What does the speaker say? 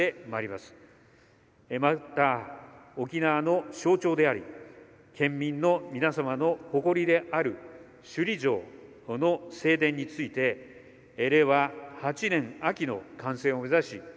また、沖縄の象徴であり県民の皆様の誇りである首里城の正殿について令和８年秋の完成を目指し